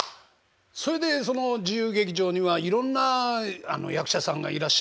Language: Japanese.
それでその自由劇場にはいろんな役者さんがいらっしゃるでしょ？